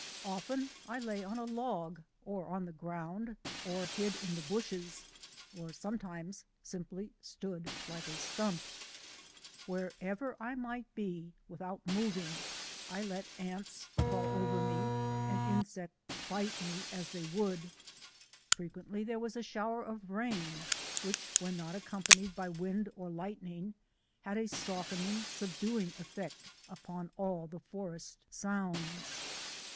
Often I lay on a log or on the ground, or hid in the bushes, or sometimes simply stood like a stump. Wherever I might be, without moving I let ants crawl over me and insects bite me as they would. WAITING IN THE WILDERNESS 25 Frequently there was a shower of rain, which when not accompanied by wind or lightning had a softening, subduing effect upon all the forest sounds.